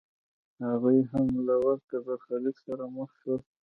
هغوی هم له ورته برخلیک سره مخ شول.